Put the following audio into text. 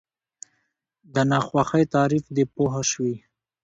د ناخوښۍ تعریف دی پوه شوې!.